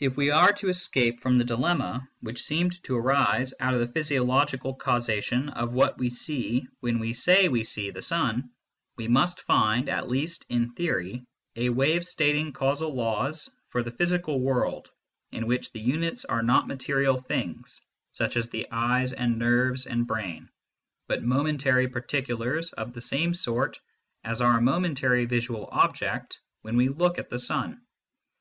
If we are to escape from the dilemma which CONSTITUENTS OF MATTER 137 seemed to arise out of the physiological causation of what we see when we say we see the sun, we must find, at least in theory, a way of stating causal laws for the physical world, in which the units are not material things, such as the eyes and nerves and brain, but momentary particulars of the same sort as our momentary visual object when we look at the sun.